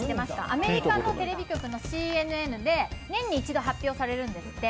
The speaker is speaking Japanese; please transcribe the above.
アメリカのテレビ局のＣＮＮで年に一度発表されるんですって。